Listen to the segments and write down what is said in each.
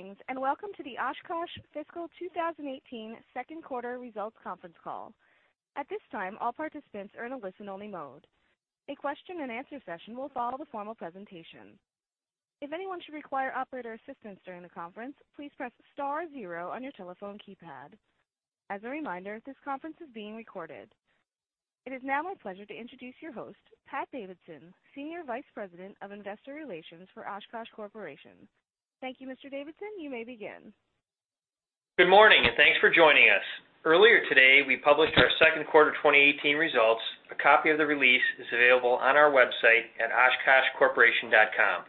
Greetings and welcome to the Oshkosh Fiscal 2018 Second Quarter Results Conference Call. At this time, all participants are in a listen-only mode. A question-and-answer session will follow the formal presentation. If anyone should require operator assistance during the conference, please press star zero on your telephone keypad. As a reminder, this conference is being recorded. It is now my pleasure to introduce your host, Pat Davidson, Senior Vice President of Investor Relations for Oshkosh Corporation. Thank you, Mr. Davidson. You may begin. Good morning and thanks for joining us. Earlier today, we published our Second Quarter 2018 results. A copy of the release is available on our website at oshkoshcorp.com.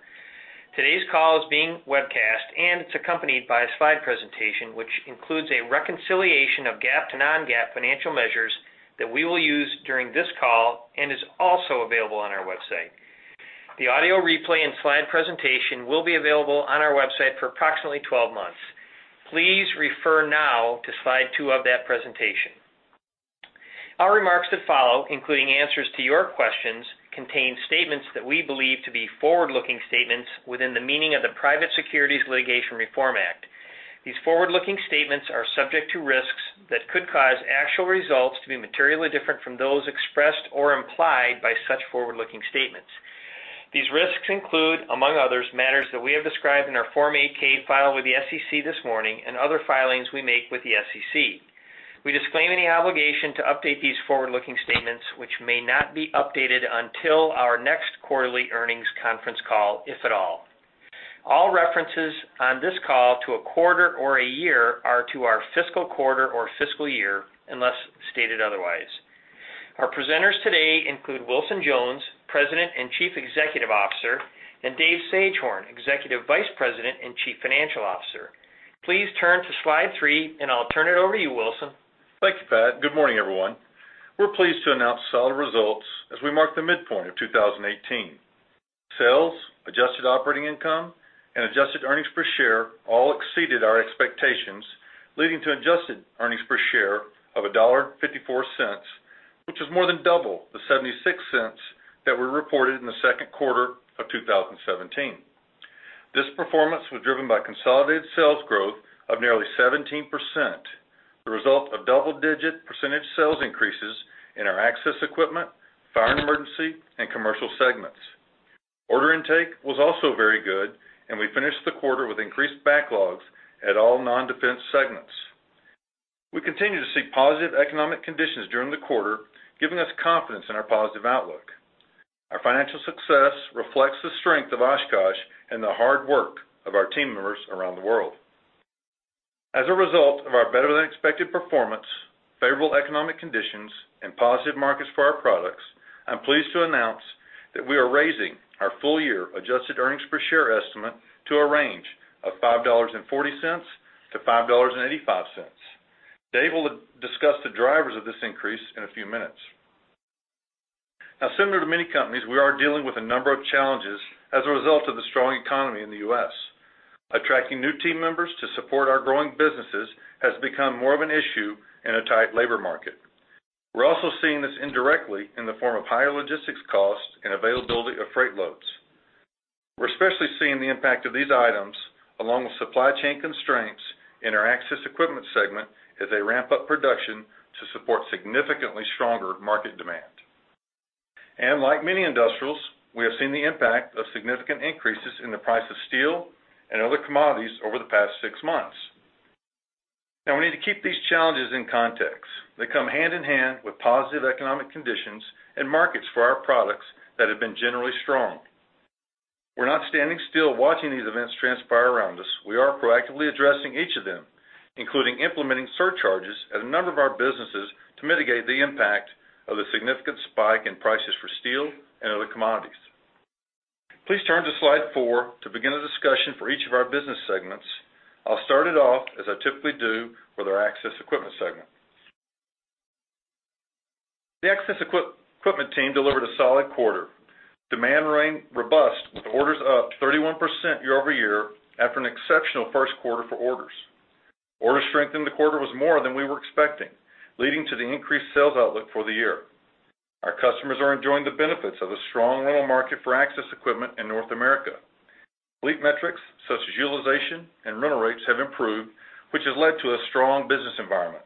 Today's call is being webcast, and it's accompanied by a slide presentation which includes a reconciliation of GAAP to non-GAAP financial measures that we will use during this call and is also available on our website. The audio replay and slide presentation will be available on our website for approximately 12 months. Please refer now to slide 2 of that presentation. Our remarks that follow, including answers to your questions, contain statements that we believe to be forward-looking statements within the meaning of the Private Securities Litigation Reform Act. These forward-looking statements are subject to risks that could cause actual results to be materially different from those expressed or implied by such forward-looking statements. These risks include, among others, matters that we have described in our Form 8-K filed with the SEC this morning and other filings we make with the SEC. We disclaim any obligation to update these forward-looking statements, which may not be updated until our next quarterly earnings conference call, if at all. All references on this call to a quarter or a year are to our fiscal quarter or fiscal year, unless stated otherwise. Our presenters today include Wilson Jones, President and Chief Executive Officer, and Dave Sagehorn, Executive Vice President and Chief Financial Officer. Please turn to slide three, and I'll turn it over to you, Wilson. Thank you, Pat. Good morning, everyone. We're pleased to announce solid results as we mark the midpoint of 2018. Sales, Adjusted Operating Income, and Adjusted Earnings Per Share all exceeded our expectations, leading to Adjusted Earnings Per Share of $1.54, which is more than double the $0.76 that were reported in the second quarter of 2017. This performance was driven by consolidated sales growth of nearly 17%, the result of double-digit percentage sales increases in our access equipment, fire and emergency, and commercial segments. Order intake was also very good, and we finished the quarter with increased backlogs at all non-defense segments. We continue to see positive economic conditions during the quarter, giving us confidence in our positive outlook. Our financial success reflects the strength of Oshkosh and the hard work of our team members around the world. As a result of our better-than-expected performance, favorable economic conditions, and positive markets for our products, I'm pleased to announce that we are raising our full-year adjusted earnings per share estimate to a range of $5.40-$5.85. Dave will discuss the drivers of this increase in a few minutes. Now, similar to many companies, we are dealing with a number of challenges as a result of the strong economy in the U.S. Attracting new team members to support our growing businesses has become more of an issue in a tight labor market. We're also seeing this indirectly in the form of higher logistics costs and availability of freight loads. We're especially seeing the impact of these items, along with supply chain constraints, in our access equipment segment as they ramp up production to support significantly stronger market demand. Like many industrials, we have seen the impact of significant increases in the price of steel and other commodities over the past six months. Now, we need to keep these challenges in context. They come hand in hand with positive economic conditions and markets for our products that have been generally strong. We're not standing still watching these events transpire around us. We are proactively addressing each of them, including implementing surcharges at a number of our businesses to mitigate the impact of the significant spike in prices for steel and other commodities. Please turn to slide four to begin a discussion for each of our business segments. I'll start it off, as I typically do, with our access equipment segment. The access equipment team delivered a solid quarter. Demand remained robust, with orders up 31% year-over-year after an exceptional first quarter for orders. Order strength in the quarter was more than we were expecting, leading to the increased sales outlook for the year. Our customers are enjoying the benefits of a strong rental market for access equipment in North America. Complete metrics such as utilization and rental rates have improved, which has led to a strong business environment.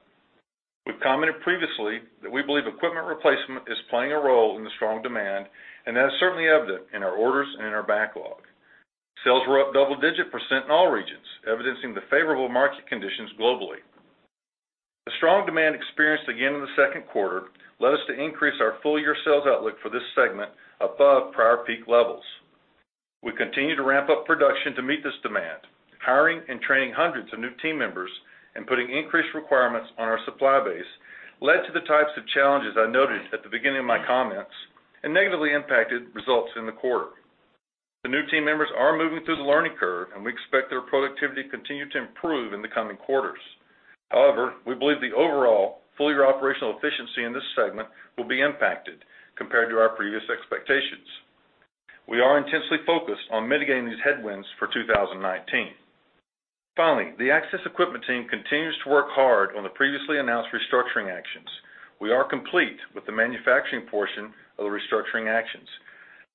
We've commented previously that we believe equipment replacement is playing a role in the strong demand and that is certainly evident in our orders and in our backlog. Sales were up double-digit % in all regions, evidencing the favorable market conditions globally. The strong demand experienced again in the second quarter led us to increase our full-year sales outlook for this segment above prior peak levels. We continue to ramp up production to meet this demand. Hiring and training hundreds of new team members and putting increased requirements on our supply base led to the types of challenges I noted at the beginning of my comments and negatively impacted results in the quarter. The new team members are moving through the learning curve, and we expect their productivity to continue to improve in the coming quarters. However, we believe the overall full-year operational efficiency in this segment will be impacted compared to our previous expectations. We are intensely focused on mitigating these headwinds for 2019. Finally, the access equipment team continues to work hard on the previously announced restructuring actions. We are complete with the manufacturing portion of the restructuring actions.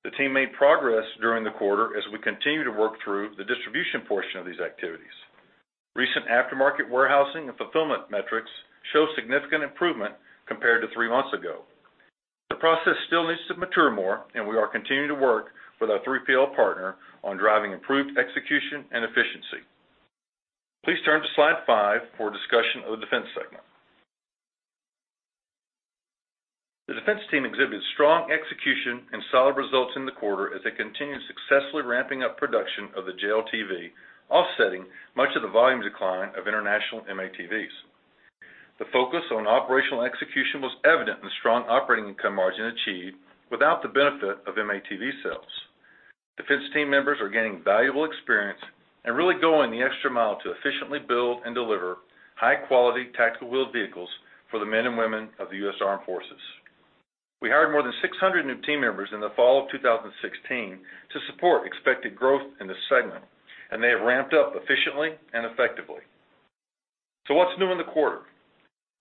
The team made progress during the quarter as we continue to work through the distribution portion of these activities. Recent aftermarket warehousing and fulfillment metrics show significant improvement compared to three months ago. The process still needs to mature more, and we are continuing to work with our 3PL partner on driving improved execution and efficiency. Please turn to slide 5 for a discussion of the defense segment. The defense team exhibited strong execution and solid results in the quarter as they continued successfully ramping up production of the JLTV, offsetting much of the volume decline of international M-ATVs. The focus on operational execution was evident in the strong operating income margin achieved without the benefit of M-ATV sales. Defense team members are gaining valuable experience and really going the extra mile to efficiently build and deliver high-quality tactical wheeled vehicles for the men and women of the U.S. Armed Forces. We hired more than 600 new team members in the fall of 2016 to support expected growth in this segment, and they have ramped up efficiently and effectively. So what's new in the quarter?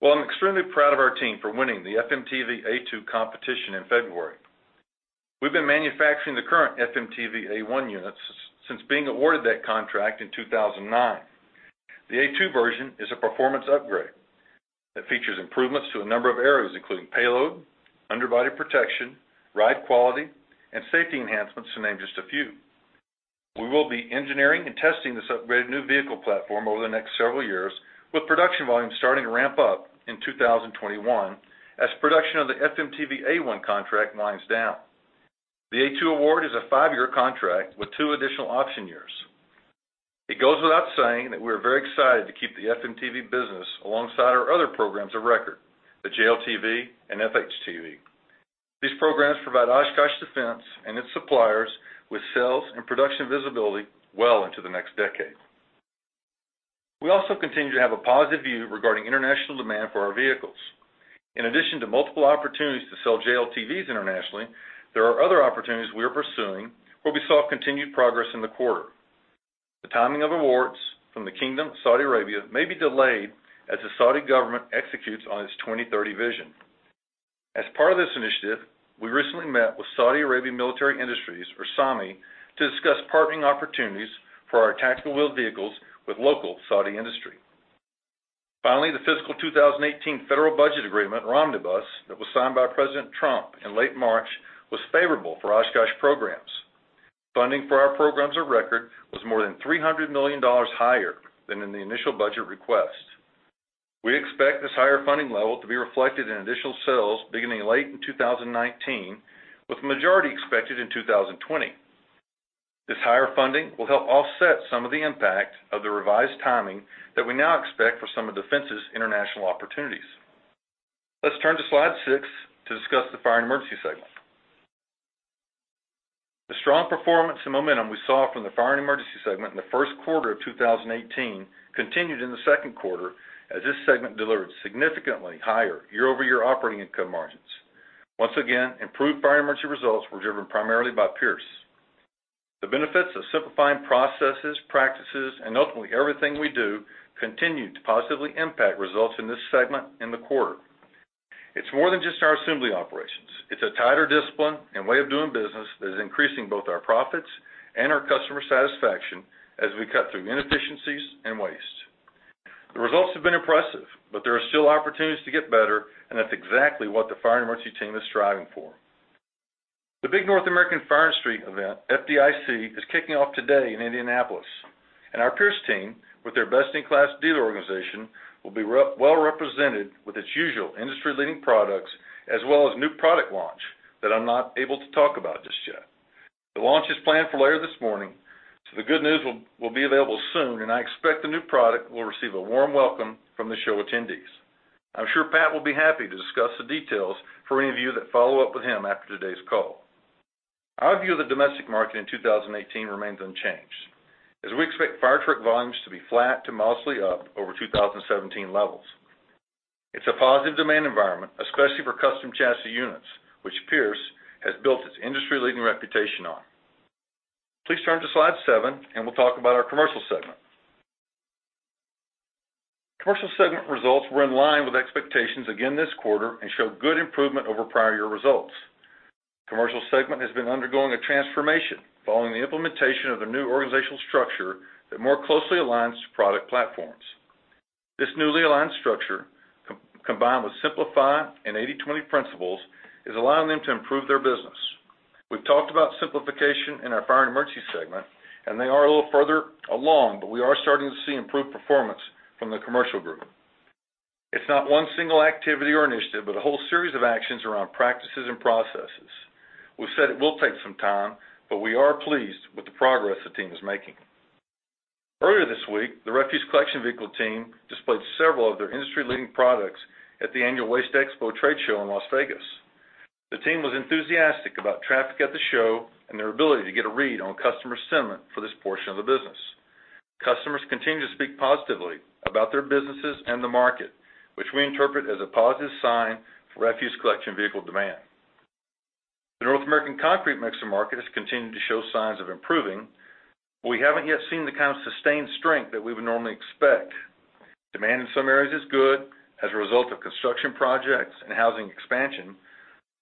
Well, I'm extremely proud of our team for winning the FMTV A2 competition in February. We've been manufacturing the current FMTV A1 units since being awarded that contract in 2009. The A2 version is a performance upgrade that features improvements to a number of areas, including payload, underbody protection, ride quality, and safety enhancements, to name just a few. We will be engineering and testing this upgraded new vehicle platform over the next several years, with production volumes starting to ramp up in 2021 as production of the FMTV A1 contract winds down. The A2 award is a five-year contract with two additional option years. It goes without saying that we are very excited to keep the FMTV business alongside our other programs of record, the JLTV and FHTV. These programs provide Oshkosh Defense and its suppliers with sales and production visibility well into the next decade. We also continue to have a positive view regarding international demand for our vehicles. In addition to multiple opportunities to sell JLTVs internationally, there are other opportunities we are pursuing where we saw continued progress in the quarter. The timing of awards from the Kingdom of Saudi Arabia may be delayed as the Saudi government executes on its 2030 vision. As part of this initiative, we recently met with Saudi Arabian Military Industries, or SAMI, to discuss partnering opportunities for our tactical wheeled vehicles with local Saudi industry. Finally, the fiscal 2018 federal budget agreement, Omnibus, that was signed by President Trump in late March was favorable for Oshkosh programs. Funding for our programs of record was more than $300 million higher than in the initial budget request. We expect this higher funding level to be reflected in additional sales beginning late in 2019, with majority expected in 2020. This higher funding will help offset some of the impact of the revised timing that we now expect for some of defense's international opportunities. Let's turn to slide 6 to discuss the fire and emergency segment. The strong performance and momentum we saw from the fire and emergency segment in the first quarter of 2018 continued in the second quarter as this segment delivered significantly higher year-over-year operating income margins. Once again, improved fire and emergency results were driven primarily by Pierce. The benefits of simplifying processes, practices, and ultimately everything we do continue to positively impact results in this segment in the quarter. It's more than just our assembly operations. It's a tighter discipline and way of doing business that is increasing both our profits and our customer satisfaction as we cut through inefficiencies and waste. The results have been impressive, but there are still opportunities to get better, and that's exactly what the fire and emergency team is striving for. The big North American fire and rescue event, FDIC, is kicking off today in Indianapolis, and our Pierce team, with their best-in-class dealer organization, will be well represented with its usual industry-leading products as well as new product launch that I'm not able to talk about just yet. The launch is planned for later this morning, so the good news will be available soon, and I expect the new product will receive a warm welcome from the show attendees. I'm sure Pat will be happy to discuss the details for any of you that follow up with him after today's call. Our view of the domestic market in 2018 remains unchanged, as we expect fire truck volumes to be flat to modestly up over 2017 levels. It's a positive demand environment, especially for custom chassis units, which Pierce has built its industry-leading reputation on. Please turn to slide 7, and we'll talk about our commercial segment. Commercial segment results were in line with expectations again this quarter and showed good improvement over prior year results. Commercial segment has been undergoing a transformation following the implementation of a new organizational structure that more closely aligns to product platforms. This newly aligned structure, combined with Simplify and 80/20 principles, is allowing them to improve their business. We've talked about simplification in our fire and emergency segment, and they are a little further along, but we are starting to see improved performance from the commercial group. It's not one single activity or initiative, but a whole series of actions around practices and processes. We've said it will take some time, but we are pleased with the progress the team is making. Earlier this week, the refuse collection vehicle team displayed several of their industry-leading products at the annual WasteExpo trade show in Las Vegas. The team was enthusiastic about traffic at the show and their ability to get a read on customer sentiment for this portion of the business. Customers continue to speak positively about their businesses and the market, which we interpret as a positive sign for refuse collection vehicle demand. The North American concrete mixer market has continued to show signs of improving, but we haven't yet seen the kind of sustained strength that we would normally expect. Demand in some areas is good as a result of construction projects and housing expansion,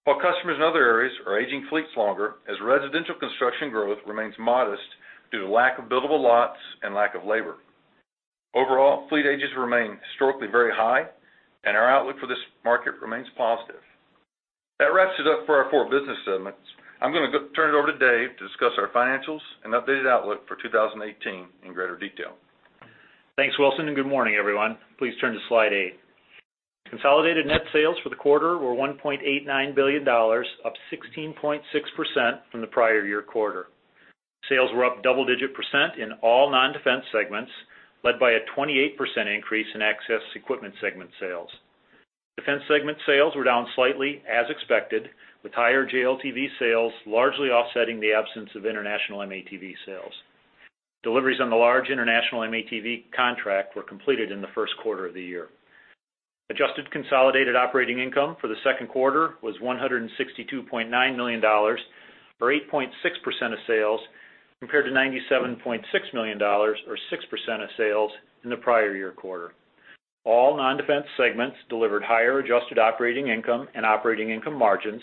while customers in other areas are aging fleets longer as residential construction growth remains modest due to lack of buildable lots and lack of labor. Overall, fleet ages remain historically very high, and our outlook for this market remains positive. That wraps it up for our 4 business segments. I'm going to turn it over to Dave to discuss our financials and updated outlook for 2018 in greater detail. Thanks, Wilson, and good morning, everyone. Please turn to slide 8. Consolidated net sales for the quarter were $1.89 billion, up 16.6% from the prior year quarter. Sales were up double-digit % in all non-defense segments, led by a 28% increase in Access Equipment segment sales. Defense segment sales were down slightly, as expected, with higher JLTV sales largely offsetting the absence of international M-ATV sales. Deliveries on the large international M-ATV contract were completed in the first quarter of the year. Adjusted consolidated operating income for the second quarter was $162.9 million or 8.6% of sales, compared to $97.6 million or 6% of sales in the prior year quarter. All non-defense segments delivered higher adjusted operating income and operating income margins,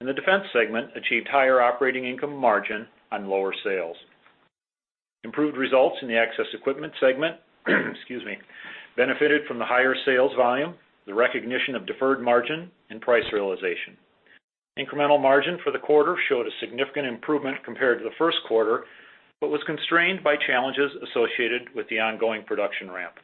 and the Defense segment achieved higher operating income margin on lower sales. Improved results in the Access Equipment segment benefited from the higher sales volume, the recognition of deferred margin, and price realization. Incremental margin for the quarter showed a significant improvement compared to the first quarter, but was constrained by challenges associated with the ongoing production ramp.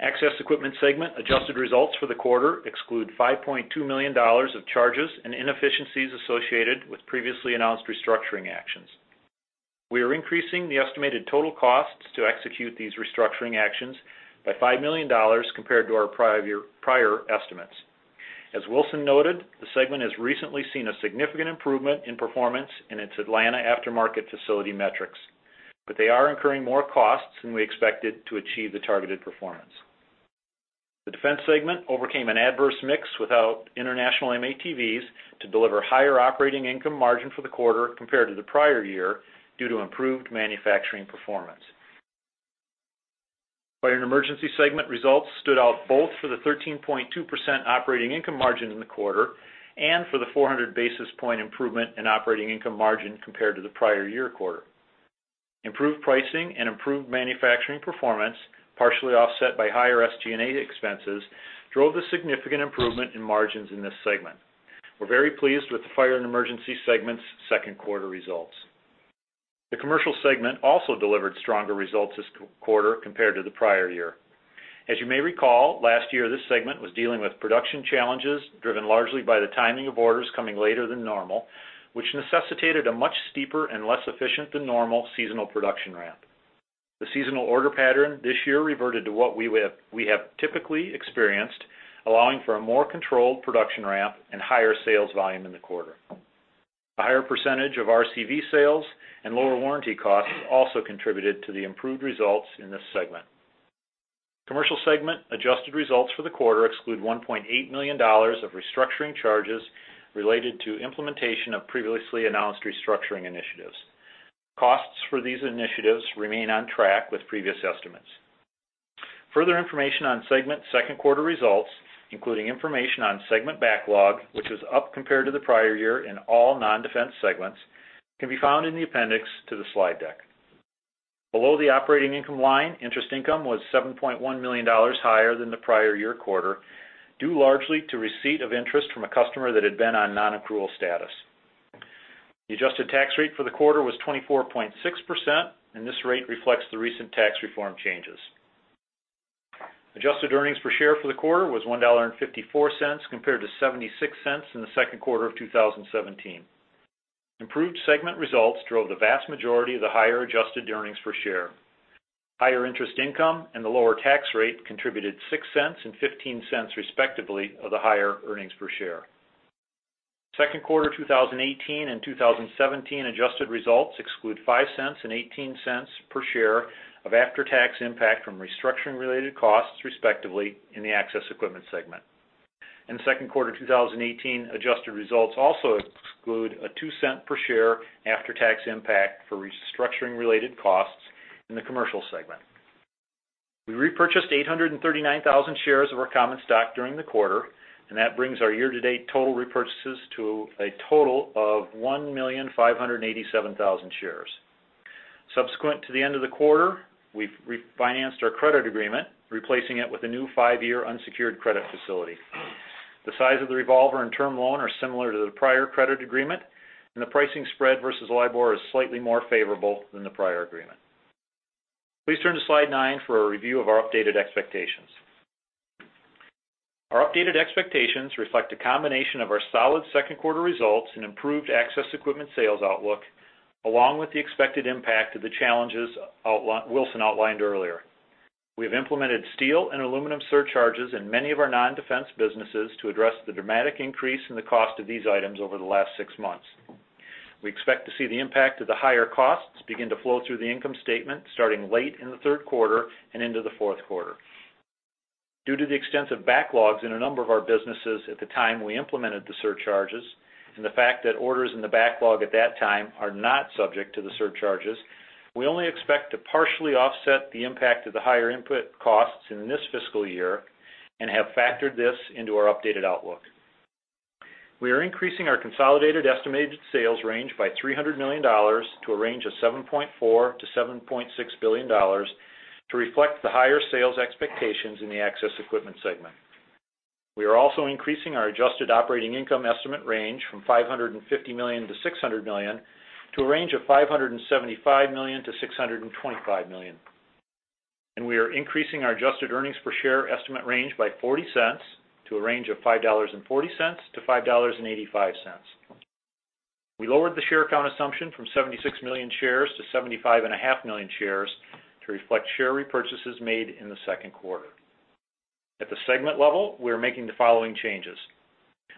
Access equipment segment adjusted results for the quarter exclude $5.2 million of charges and inefficiencies associated with previously announced restructuring actions. We are increasing the estimated total costs to execute these restructuring actions by $5 million compared to our prior estimates. As Wilson noted, the segment has recently seen a significant improvement in performance in its Atlanta aftermarket facility metrics, but they are incurring more costs than we expected to achieve the targeted performance. The defense segment overcame an adverse mix without international M-ATVs to deliver higher operating income margin for the quarter compared to the prior year due to improved manufacturing performance. Fire and emergency segment results stood out both for the 13.2% operating income margin in the quarter and for the 400 basis points improvement in operating income margin compared to the prior year quarter. Improved pricing and improved manufacturing performance, partially offset by higher SG&A expenses, drove the significant improvement in margins in this segment. We're very pleased with the fire and emergency segment's second quarter results. The commercial segment also delivered stronger results this quarter compared to the prior year. As you may recall, last year, this segment was dealing with production challenges driven largely by the timing of orders coming later than normal, which necessitated a much steeper and less efficient than normal seasonal production ramp. The seasonal order pattern this year reverted to what we have typically experienced, allowing for a more controlled production ramp and higher sales volume in the quarter. A higher percentage of RCV sales and lower warranty costs also contributed to the improved results in this segment. Commercial segment adjusted results for the quarter exclude $1.8 million of restructuring charges related to implementation of previously announced restructuring initiatives. Costs for these initiatives remain on track with previous estimates. Further information on segment second quarter results, including information on segment backlog, which was up compared to the prior year in all non-defense segments, can be found in the appendix to the slide deck. Below the operating income line, interest income was $7.1 million higher than the prior year quarter, due largely to receipt of interest from a customer that had been on non-accrual status. The adjusted tax rate for the quarter was 24.6%, and this rate reflects the recent tax reform changes. Adjusted earnings per share for the quarter was $1.54 compared to $0.76 in the second quarter of 2017. Improved segment results drove the vast majority of the higher adjusted earnings per share. Higher interest income and the lower tax rate contributed $0.06 and $0.15 respectively of the higher earnings per share. Second quarter 2018 and 2017 adjusted results exclude $0.05 and $0.18 per share of after-tax impact from restructuring-related costs, respectively, in the access equipment segment. In second quarter 2018, adjusted results also exclude a $0.02 per share after-tax impact for restructuring-related costs in the commercial segment. We repurchased 839,000 shares of our common stock during the quarter, and that brings our year-to-date total repurchases to a total of 1,587,000 shares. Subsequent to the end of the quarter, we've refinanced our credit agreement, replacing it with a new five-year unsecured credit facility. The size of the revolver and term loan are similar to the prior credit agreement, and the pricing spread versus LIBOR is slightly more favorable than the prior agreement. Please turn to slide 9 for a review of our updated expectations. Our updated expectations reflect a combination of our solid second quarter results and improved access equipment sales outlook, along with the expected impact of the challenges Wilson outlined earlier. We have implemented steel and aluminum surcharges in many of our non-defense businesses to address the dramatic increase in the cost of these items over the last 6 months. We expect to see the impact of the higher costs begin to flow through the income statement starting late in the third quarter and into the fourth quarter. Due to the extensive backlogs in a number of our businesses at the time we implemented the surcharges and the fact that orders in the backlog at that time are not subject to the surcharges, we only expect to partially offset the impact of the higher input costs in this fiscal year and have factored this into our updated outlook. We are increasing our consolidated estimated sales range by $300 million to a range of $7.4-$7.6 billion to reflect the higher sales expectations in the access equipment segment. We are also increasing our adjusted operating income estimate range from $550-$600 million to a range of $575-$625 million. We are increasing our adjusted earnings per share estimate range by $0.40 to a range of $5.40-$5.85. We lowered the share count assumption from 76 million shares to 75.5 million shares to reflect share repurchases made in the second quarter. At the segment level, we are making the following changes.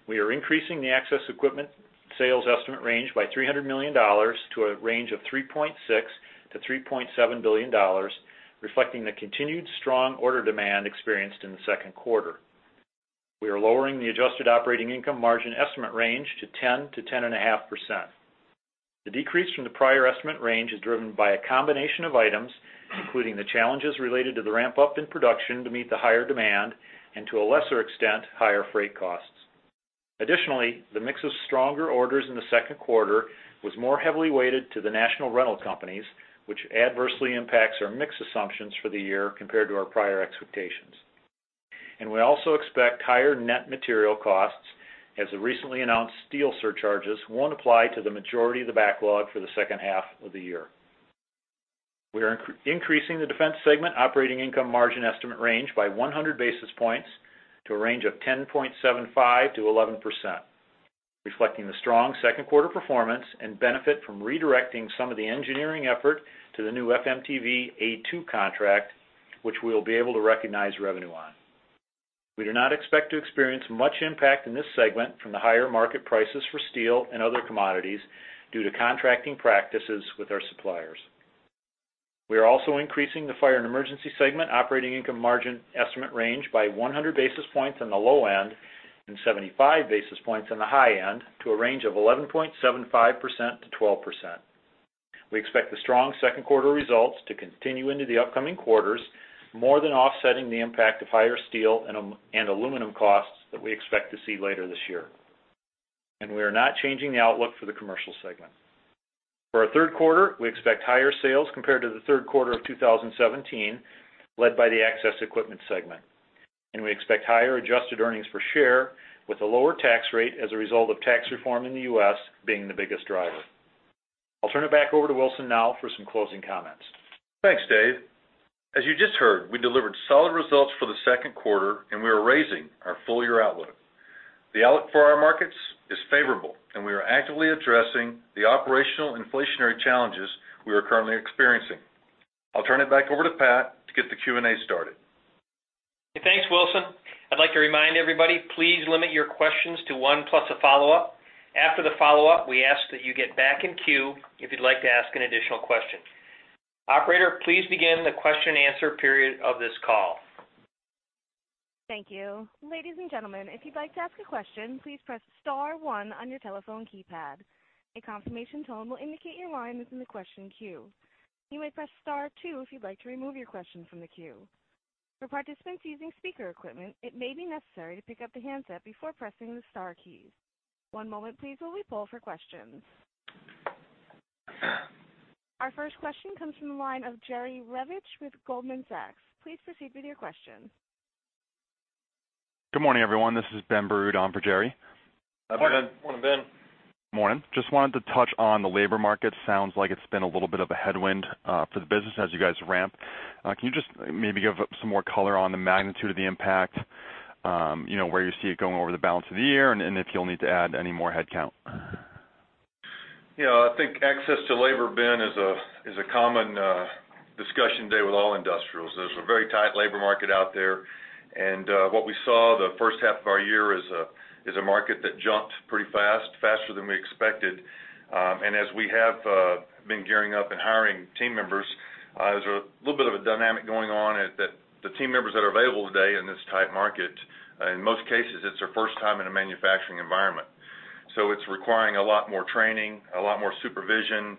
We are increasing the Access Equipment sales estimate range by $300 million to a range of $3.6-$3.7 billion, reflecting the continued strong order demand experienced in the second quarter. We are lowering the adjusted operating income margin estimate range to 10%-10.5%. The decrease from the prior estimate range is driven by a combination of items, including the challenges related to the ramp-up in production to meet the higher demand and, to a lesser extent, higher freight costs. Additionally, the mix of stronger orders in the second quarter was more heavily weighted to the national rental companies, which adversely impacts our mix assumptions for the year compared to our prior expectations. And we also expect higher net material costs as the recently announced steel surcharges won't apply to the majority of the backlog for the second half of the year. We are increasing the defense segment operating income margin estimate range by 100 basis points to a range of 10.75%-11%, reflecting the strong second quarter performance and benefit from redirecting some of the engineering effort to the new FMTV A2 contract, which we will be able to recognize revenue on. We do not expect to experience much impact in this segment from the higher market prices for steel and other commodities due to contracting practices with our suppliers. We are also increasing the fire and emergency segment operating income margin estimate range by 100 basis points on the low end and 75 basis points on the high end to a range of 11.75%-12%. We expect the strong second quarter results to continue into the upcoming quarters, more than offsetting the impact of higher steel and aluminum costs that we expect to see later this year. We are not changing the outlook for the commercial segment. For our third quarter, we expect higher sales compared to the third quarter of 2017, led by the access equipment segment. We expect higher adjusted earnings per share with a lower tax rate as a result of tax reform in the U.S. being the biggest driver. I'll turn it back over to Wilson now for some closing comments. Thanks, Dave. As you just heard, we delivered solid results for the second quarter, and we are raising our full-year outlook. The outlook for our markets is favorable, and we are actively addressing the operational inflationary challenges we are currently experiencing. I'll turn it back over to Pat to get the Q&A started. Thanks, Wilson. I'd like to remind everybody, please limit your questions to one plus a follow-up. After the follow-up, we ask that you get back in queue if you'd like to ask an additional question. Operator, please begin the question and answer period of this call. Thank you. Ladies and gentlemen, if you'd like to ask a question, please press Star 1 on your telephone keypad. A confirmation tone will indicate your line is in the question queue. You may press Star 2 if you'd like to remove your question from the queue. For participants using speaker equipment, it may be necessary to pick up the handset before pressing the Star keys. One moment, please, while we poll for questions. Our first question comes from the line of Jerry Revich with Goldman Sachs. Please proceed with your question. Good morning, everyone. This is Ben Burud on for Jerry. Morning, Ben. Morning, Ben. Morning. Just wanted to touch on the labor market. Sounds like it's been a little bit of a headwind for the business as you guys ramp. Can you just maybe give some more color on the magnitude of the impact, where you see it going over the balance of the year, and if you'll need to add any more headcount? Yeah. I think access to labor, Ben, is a common discussion today with all industrials. There's a very tight labor market out there. And what we saw the first half of our year is a market that jumped pretty fast, faster than we expected. As we have been gearing up and hiring team members, there's a little bit of a dynamic going on that the team members that are available today in this tight market, in most cases, it's their first time in a manufacturing environment. So it's requiring a lot more training, a lot more supervision.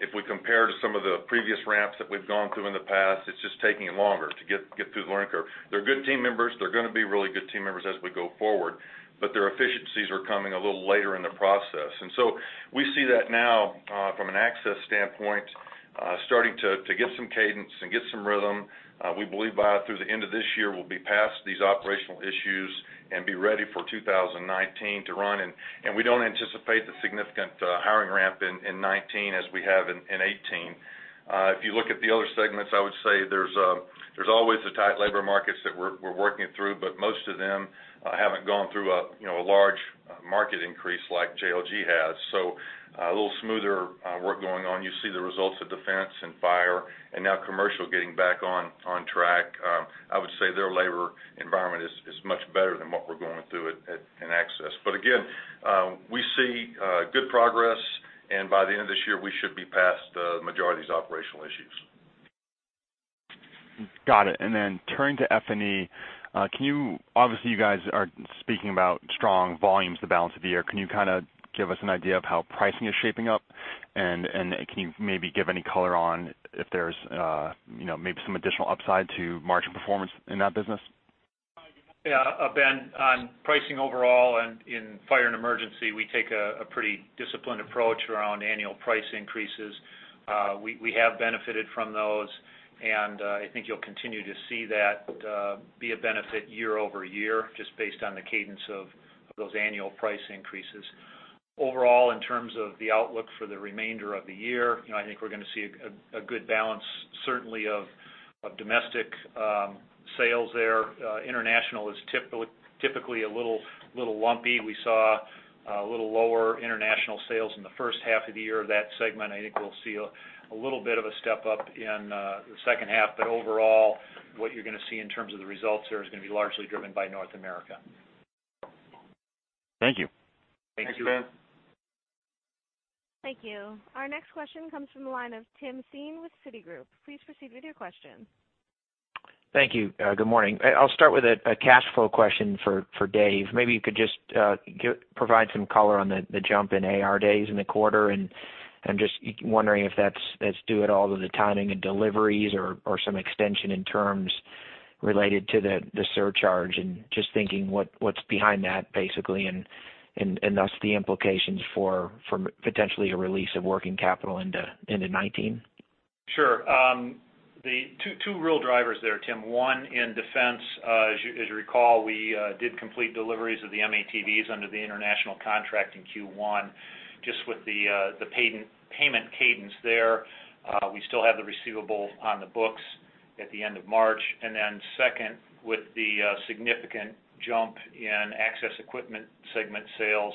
If we compare to some of the previous ramps that we've gone through in the past, it's just taking longer to get through the learning curve. They're good team members. They're going to be really good team members as we go forward, but their efficiencies are coming a little later in the process. And so we see that now from an access standpoint, starting to get some cadence and get some rhythm. We believe by through the end of this year, we'll be past these operational issues and be ready for 2019 to run. And we don't anticipate the significant hiring ramp in 2019 as we have in 2018. If you look at the other segments, I would say there's always the tight labor markets that we're working through, but most of them haven't gone through a large market increase like JLG has. So a little smoother work going on. You see the results of defense and fire and now commercial getting back on track. I would say their labor environment is much better than what we're going through in access. But again, we see good progress, and by the end of this year, we should be past the majority of these operational issues. Got it. And then turning to F&E, obviously, you guys are speaking about strong volumes the balance of the year. Can you kind of give us an idea of how pricing is shaping up, and can you maybe give any color on if there's maybe some additional upside to margin performance in that business? Yeah. Ben, on pricing overall and in fire and emergency, we take a pretty disciplined approach around annual price increases. We have benefited from those, and I think you'll continue to see that be a benefit year over year, just based on the cadence of those annual price increases. Overall, in terms of the outlook for the remainder of the year, I think we're going to see a good balance, certainly, of domestic sales there. International is typically a little lumpy. We saw a little lower international sales in the first half of the year of that segment. I think we'll see a little bit of a step up in the second half. But overall, what you're going to see in terms of the results there is going to be largely driven by North America. Thank you. Thank you, Ben. Thank you. Our next question comes from the line of Timothy Thein with Citigroup. Please proceed with your question. Thank you. Good morning. I'll start with a cash flow question for Dave. Maybe you could just provide some color on the jump in AR days in the quarter. And I'm just wondering if that's due at all to the timing and deliveries or some extension in terms related to the surcharge and just thinking what's behind that, basically, and thus the implications for potentially a release of working capital into 2019. Sure. Two real drivers there, Tim. One in defense, as you recall, we did complete deliveries of the M-ATVs under the international contract in Q1, just with the payment cadence there. We still have the receivable on the books at the end of March. And then second, with the significant jump in access equipment segment sales,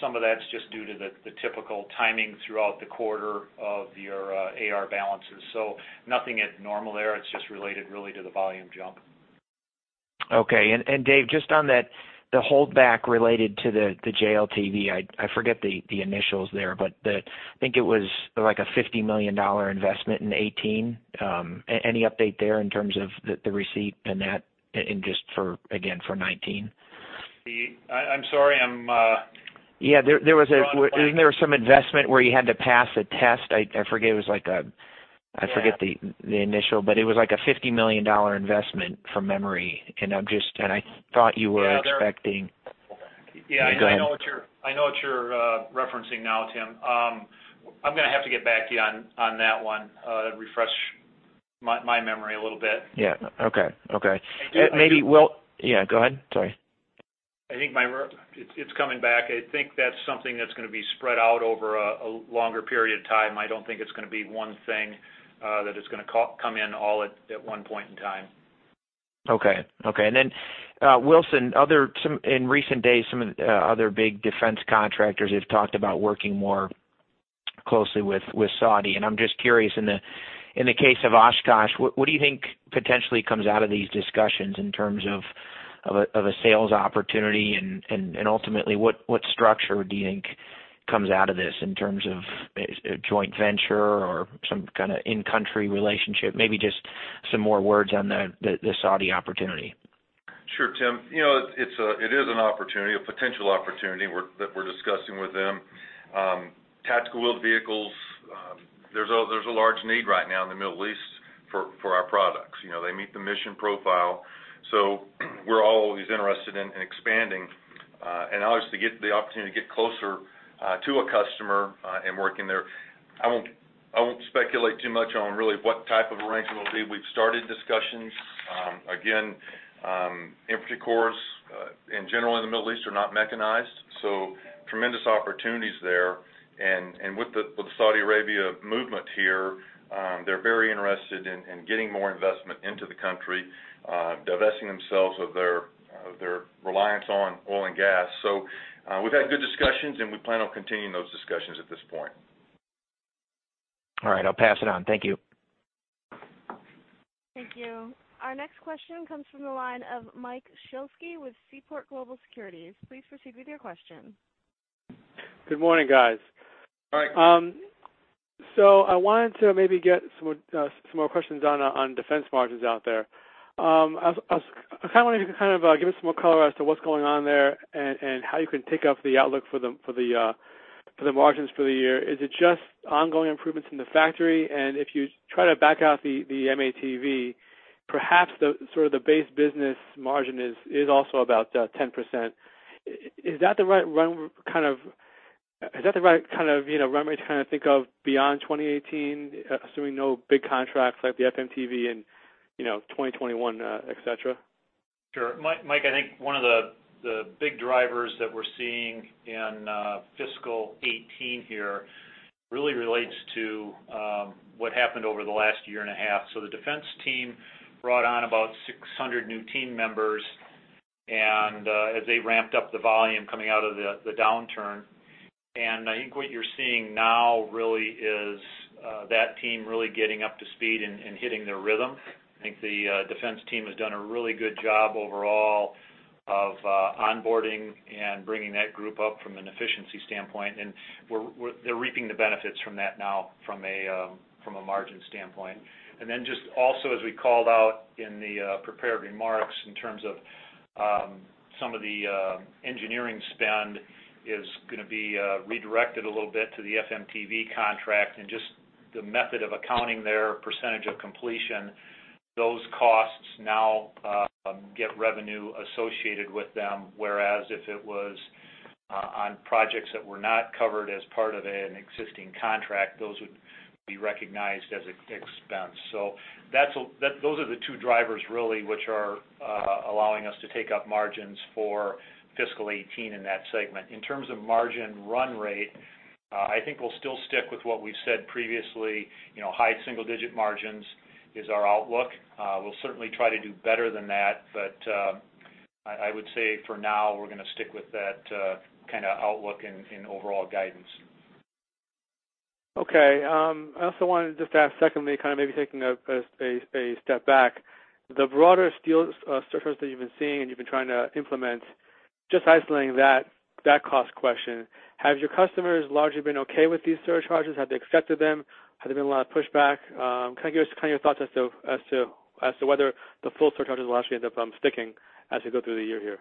some of that's just due to the typical timing throughout the quarter of your AR balances. So nothing abnormal there. It's just related really to the volume jump. Okay. And Dave, just on the holdback related to the JLTV, I forget the initials there, but I think it was like a $50 million investment in 2018. Any update there in terms of the receipt and that, just again, for 2019? I'm sorry. Yeah. There was some investment where you had to pass a test. I forget the initial, but it was like a $50 million investment from memory. And I thought you were expecting. Yeah. I know what you're referencing now, Tim. I'm going to have to get back to you on that one, refresh my memory a little bit. Yeah. Okay. Okay. Go ahead. Sorry. I think it's coming back. I think that's something that's going to be spread out over a longer period of time. I don't think it's going to be one thing that is going to come in all at one point in time. Okay. Okay. And then Wilson, in recent days, some of the other big defense contractors have talked about working more closely with Saudi. And I'm just curious, in the case of Oshkosh, what do you think potentially comes out of these discussions in terms of a sales opportunity? And ultimately, what structure do you think comes out of this in terms of joint venture or some kind of in-country relationship? Maybe just some more words on the Saudi opportunity. Sure, Tim. It is an opportunity, a potential opportunity that we're discussing with them. Tactical wheeled vehicles, there's a large need right now in the Middle East for our products. They meet the mission profile. So we're always interested in expanding and obviously getting the opportunity to get closer to a customer and working there. I won't speculate too much on really what type of arrangement will be. We've started discussions. Again, infrastructures in general in the Middle East are not mechanized. So tremendous opportunities there. And with the Saudi Arabia movement here, they're very interested in getting more investment into the country, divesting themselves of their reliance on oil and gas. So we've had good discussions, and we plan on continuing those discussions at this point. All right. I'll pass it on. Thank you. Thank you. Our next question comes from the line of Mike Shlisky with Seaport Global Securities. Please proceed with your question. Good morning, guys. All right. So I wanted to maybe get some more questions on defense margins out there. I kind of wanted you to kind of give us some more color as to what's going on there and how you can take up the outlook for the margins for the year. Is it just ongoing improvements in the factory? And if you try to back out the M-ATV, perhaps sort of the base business margin is also about 10%. Is that the right kind of. Is that the right kind of run rate to kind of think of beyond 2018, assuming no big contracts like the FMTV in 2021, etc.? Sure. Mike, I think one of the big drivers that we're seeing in fiscal 2018 here really relates to what happened over the last year and a half. So the defense team brought on about 600 new team members as they ramped up the volume coming out of the downturn. And I think what you're seeing now really is that team really getting up to speed and hitting their rhythm. I think the defense team has done a really good job overall of onboarding and bringing that group up from an efficiency standpoint. And they're reaping the benefits from that now from a margin standpoint. And then just also, as we called out in the prepared remarks, in terms of some of the engineering spend is going to be redirected a little bit to the FMTV contract and just the method of accounting there, percentage of completion. Those costs now get revenue associated with them, whereas if it was on projects that were not covered as part of an existing contract, those would be recognized as expense. So those are the two drivers really which are allowing us to take up margins for fiscal 2018 in that segment. In terms of margin run rate, I think we'll still stick with what we've said previously. High single-digit margins is our outlook. We'll certainly try to do better than that, but I would say for now, we're going to stick with that kind of outlook and overall guidance. Okay. I also wanted to just ask secondly, kind of maybe taking a step back, the broader steel surcharge that you've been seeing and you've been trying to implement, just isolating that cost question, have your customers largely been okay with these surcharges? Have they accepted them? Have there been a lot of pushback? Kind of give us kind of your thoughts as to whether the full surcharges will actually end up sticking as we go through the year here.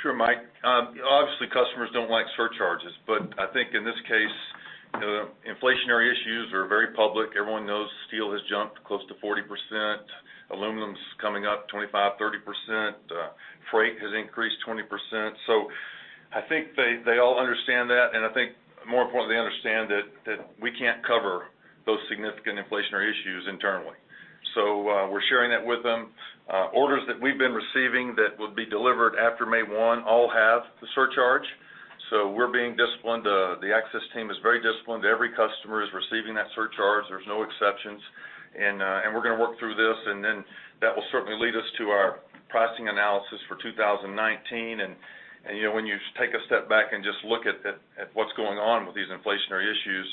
Sure, Mike. Obviously, customers don't like surcharges, but I think in this case, inflationary issues are very public. Everyone knows steel has jumped close to 40%. Aluminum's coming up 25%-30%. Freight has increased 20%. So I think they all understand that. And I think more importantly, they understand that we can't cover those significant inflationary issues internally. So we're sharing that with them. Orders that we've been receiving that would be delivered after May 1 all have the surcharge. So we're being disciplined. The access team is very disciplined. Every customer is receiving that surcharge. There's no exceptions. And we're going to work through this. And then that will certainly lead us to our pricing analysis for 2019. And when you take a step back and just look at what's going on with these inflationary issues,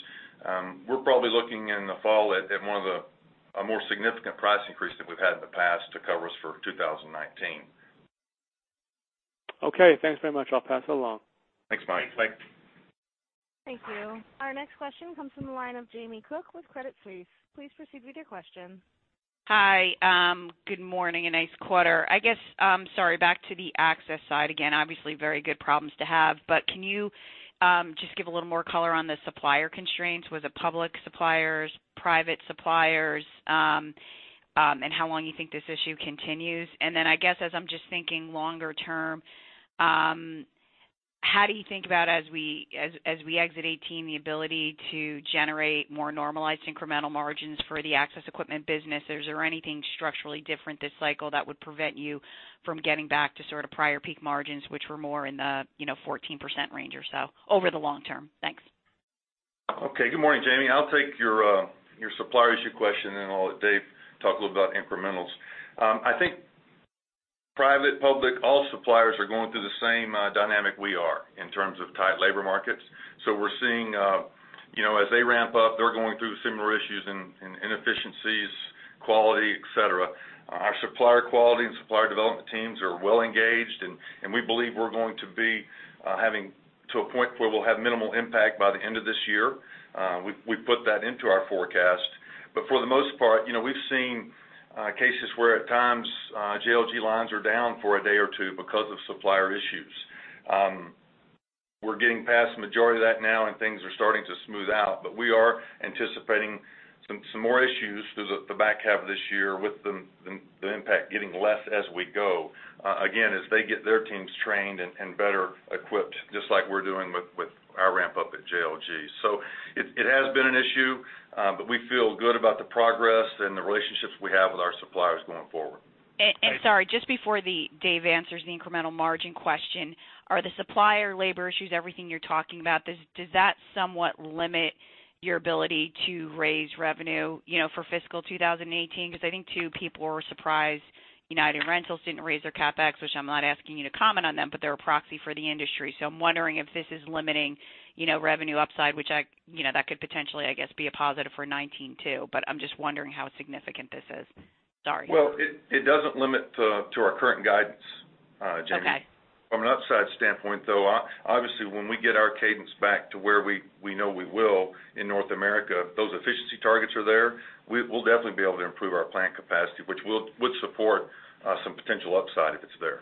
we're probably looking in the fall at one of the more significant price increases that we've had in the past to cover us for 2019. Okay. Thanks very much. I'll pass it along. Thanks, Mike. Thanks, Mike. Thank you. Our next question comes from the line of Jamie Cook with Credit Suisse. Please proceed with your question. Hi. Good morning. And nice quarter. I guess, sorry, back to the access side again. Obviously, very good problems to have. But can you just give a little more color on the supplier constraints? Was it public suppliers, private suppliers, and how long you think this issue continues? And then I guess, as I'm just thinking longer term, how do you think about as we exit 2018, the ability to generate more normalized incremental margins for the access equipment business? Is there anything structurally different this cycle that would prevent you from getting back to sort of prior peak margins, which were more in the 14% range or so over the long term? Thanks. Okay. Good morning, Jamie. I'll take your supplier issue question and then I'll let Dave talk a little about incrementals. I think private, public, all suppliers are going through the same dynamic we are in terms of tight labor markets. So we're seeing as they ramp up, they're going through similar issues in efficiencies, quality, etc. Our supplier quality and supplier development teams are well engaged. We believe we're going to be having to a point where we'll have minimal impact by the end of this year. We've put that into our forecast. For the most part, we've seen cases where at times JLG lines are down for a day or two because of supplier issues. We're getting past the majority of that now, and things are starting to smooth out. We are anticipating some more issues through the back half of this year with the impact getting less as we go, again, as they get their teams trained and better equipped, just like we're doing with our ramp up at JLG. It has been an issue, but we feel good about the progress and the relationships we have with our suppliers going forward. And sorry, just before Dave answers the incremental margin question, are the supplier labor issues everything you're talking about? Does that somewhat limit your ability to raise revenue for fiscal 2018? Because I think two people were surprised. United Rentals didn't raise their CapEx, which I'm not asking you to comment on them, but they're a proxy for the industry. So I'm wondering if this is limiting revenue upside, which that could potentially, I guess, be a positive for 2019 too. But I'm just wondering how significant this is. Sorry. Well, it doesn't limit to our current guidance, Jamie. From an upside standpoint, though, obviously, when we get our cadence back to where we know we will in North America, those efficiency targets are there. We'll definitely be able to improve our plant capacity, which would support some potential upside if it's there.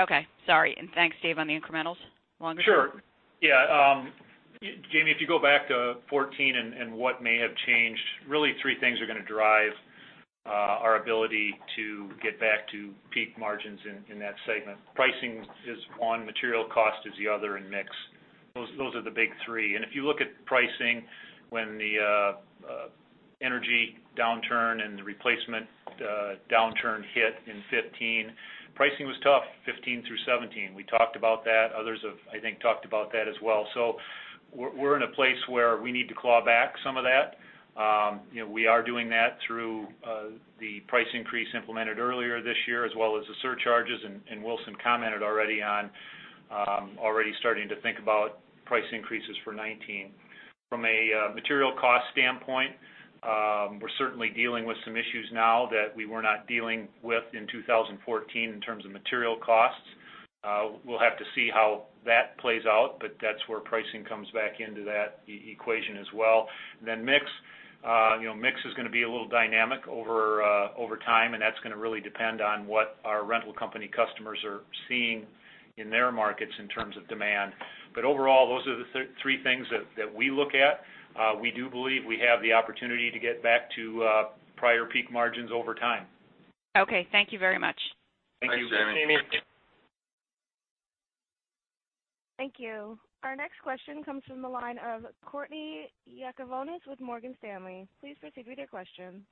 Okay. Sorry. And thanks, Dave, on the incrementals. Longer term. Sure. Yeah. Jamie, if you go back to 2014 and what may have changed, really three things are going to drive our ability to get back to peak margins in that segment. Pricing is one. Material cost is the other and mix. Those are the big three. And if you look at pricing when the energy downturn and the replacement downturn hit in 2015, pricing was tough 2015 through 2017. We talked about that. Others, I think, talked about that as well. So we're in a place where we need to claw back some of that. We are doing that through the price increase implemented earlier this year, as well as the surcharges. And Wilson commented already on already starting to think about price increases for 2019. From a material cost standpoint, we're certainly dealing with some issues now that we were not dealing with in 2014 in terms of material costs. We'll have to see how that plays out, but that's where pricing comes back into that equation as well. And then mix. Mix is going to be a little dynamic over time, and that's going to really depend on what our rental company customers are seeing in their markets in terms of demand. But overall, those are the three things that we look at. We do believe we have the opportunity to get back to prior peak margins over time. Okay. Thank you very much. Thank you, Jamie. Thank you. Thank you. Our next question comes from the line of Courtney Yakavonis with Morgan Stanley. Please proceed with your question.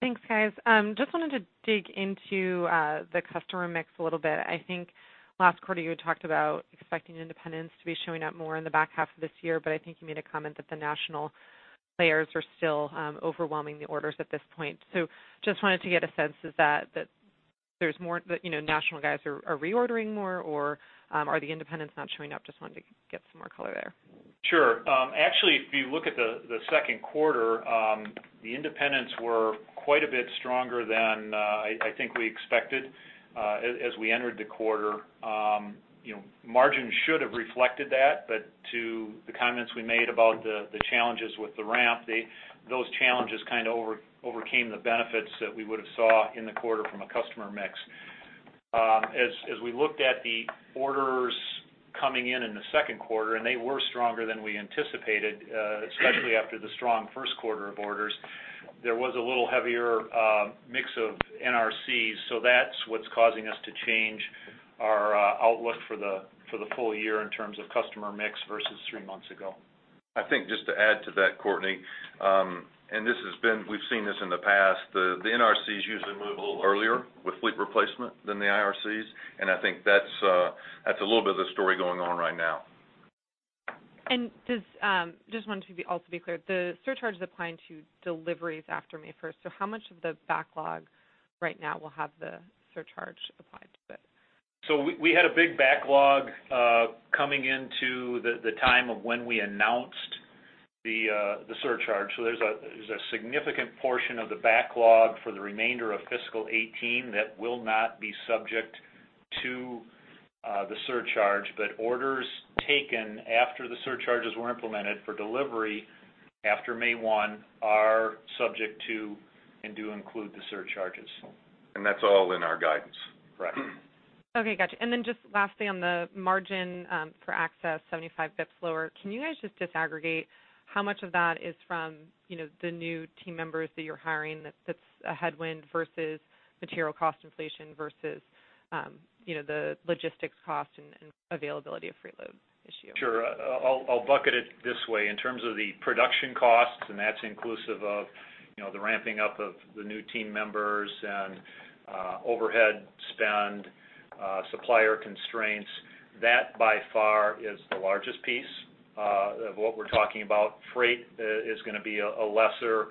Thanks, guys. Just wanted to dig into the customer mix a little bit. I think last quarter, you had talked about expecting independents to be showing up more in the back half of this year, but I think you made a comment that the national players are still overwhelming the orders at this point. So just wanted to get a sense of that, that there's more national guys are reordering more, or are the independents not showing up? Just wanted to get some more color there. Sure. Actually, if you look at the second quarter, the independents were quite a bit stronger than I think we expected as we entered the quarter. Margins should have reflected that, but to the comments we made about the challenges with the ramp, those challenges kind of overcame the benefits that we would have saw in the quarter from a customer mix. As we looked at the orders coming in in the second quarter, and they were stronger than we anticipated, especially after the strong first quarter of orders, there was a little heavier mix of NRCs. So that's what's causing us to change our outlook for the full year in terms of customer mix versus three months ago. I think just to add to that, Courtney, and this has been, we've seen this in the past. The NRCs usually move a little earlier with fleet replacement than the IRCs. And I think that's a little bit of the story going on right now. And just wanted to also be clear, the surcharge is applying to deliveries after May 1st. So how much of the backlog right now will have the surcharge applied to it? So we had a big backlog coming into the time of when we announced the surcharge. So there's a significant portion of the backlog for the remainder of fiscal 2018 that will not be subject to the surcharge. But orders taken after the surcharges were implemented for delivery after May 1 are subject to and do include the surcharges. And that's all in our guidance. Correct. Okay. Gotcha. And then just lastly on the margin for Access, 75 basis points lower, can you guys just disaggregate how much of that is from the new team members that you're hiring that's a headwind versus material cost inflation versus the logistics cost and availability of freight load issue? Sure. I'll bucket it this way. In terms of the production costs, and that's inclusive of the ramping up of the new team members and overhead spend, supplier constraints, that by far is the largest piece of what we're talking about. Freight is going to be a lesser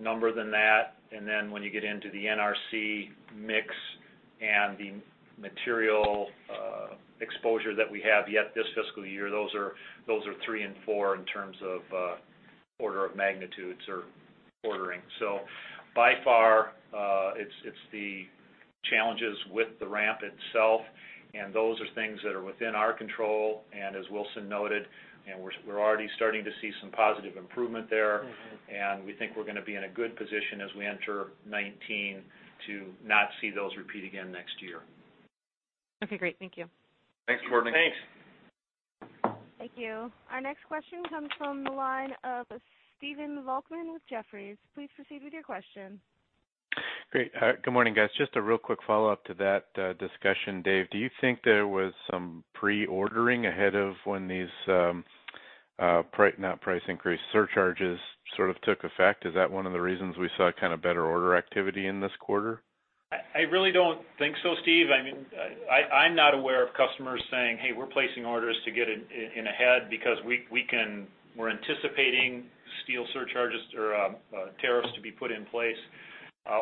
number than that. And then when you get into the RCV mix and the material exposure that we have yet this fiscal year, those are three and four in terms of order of magnitudes or ordering. So by far, it's the challenges with the ramp itself. And those are things that are within our control. And as Wilson noted, we're already starting to see some positive improvement there. And we think we're going to be in a good position as we enter 2019 to not see those repeat again next year. Okay. Great. Thank you. Thanks, Courtney. Thanks. Thank you. Our next question comes from the line of Stephen Volkmann with Jefferies. Please proceed with your question. Great. Good morning, guys. Just a real quick follow-up to that discussion, Dave. Do you think there was some pre-ordering ahead of when these new price increase surcharges sort of took effect? Is that one of the reasons we saw kind of better order activity in this quarter? I really don't think so, Steve. I mean, I'm not aware of customers saying, "Hey, we're placing orders to get in ahead because we're anticipating steel surcharges or tariffs to be put in place."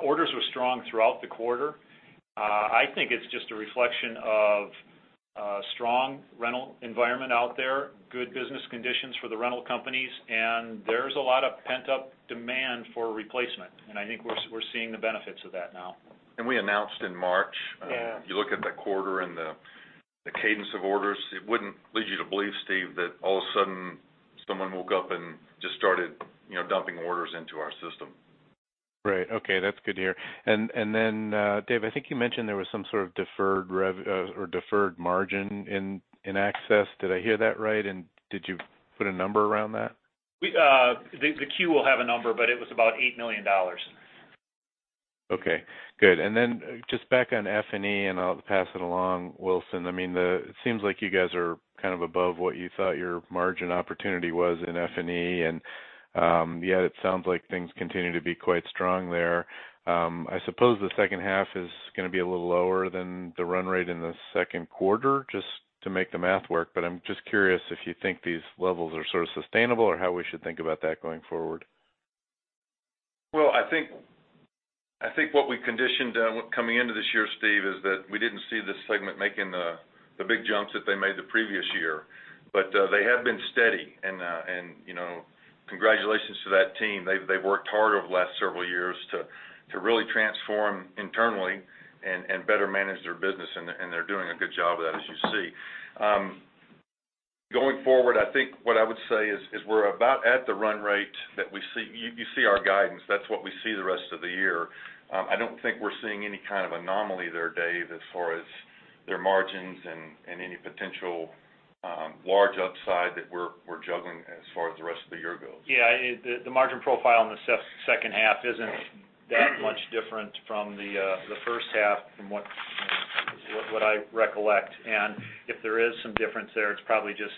Orders were strong throughout the quarter. I think it's just a reflection of a strong rental environment out there, good business conditions for the rental companies. There's a lot of pent-up demand for replacement. I think we're seeing the benefits of that now. We announced in March. If you look at the quarter and the cadence of orders, it wouldn't lead you to believe, Steve, that all of a sudden someone woke up and just started dumping orders into our system. Right. Okay. That's good to hear. And then, Dave, I think you mentioned there was some sort of deferred or deferred margin in access. Did I hear that right? And did you put a number around that? The queue will have a number, but it was about $8 million. Okay. Good. And then just back on F&E, and I'll pass it along, Wilson. I mean, it seems like you guys are kind of above what you thought your margin opportunity was in F&E. And yeah, it sounds like things continue to be quite strong there. I suppose the second half is going to be a little lower than the run rate in the second quarter, just to make the math work. But I'm just curious if you think these levels are sort of sustainable or how we should think about that going forward. Well, I think what we conditioned coming into this year, Steve, is that we didn't see this segment making the big jumps that they made the previous year. But they have been steady. And congratulations to that team. They've worked hard over the last several years to really transform internally and better manage their business. And they're doing a good job of that, as you see. Going forward, I think what I would say is we're about at the run rate that we see. You see our guidance. That's what we see the rest of the year. I don't think we're seeing any kind of anomaly there, Dave, as far as their margins and any potential large upside that we're juggling as far as the rest of the year goes. Yeah. The margin profile in the second half isn't that much different from the first half from what I recollect. And if there is some difference there, it's probably just